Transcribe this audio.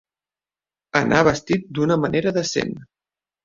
Anar vestit d'una manera decent.